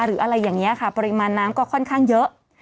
หรืออะไรอย่างนี้ค่ะปริมาณน้ำก็ค่อนข้างเยอะ